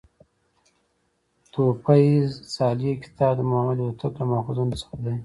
"تحفه صالح کتاب" د محمد هوتک له ماخذونو څخه دﺉ.